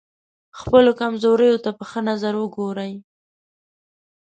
خپلو کمزوریو ته په ښه نظر وګورئ.